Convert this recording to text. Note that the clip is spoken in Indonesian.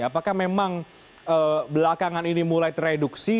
apakah memang belakangan ini mulai tereduksi